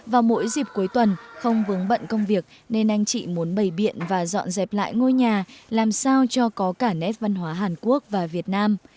vào mỗi dịp cuối tuần không vướng bận công việc nên anh chị muốn bày biện và dọn dẹp lại ngôi nhà làm sao cho có cả nét văn hóa hàn quốc và việt nam